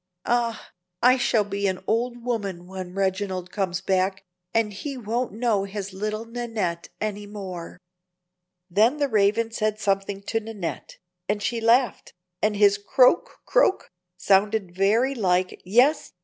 Ah! I shall be an old woman when Reginald comes back, and he won't know his little Nannette any more!" Then the Raven said something to Nannette, and she laughed, and his "Croak! croak!" sounded very like "Yes!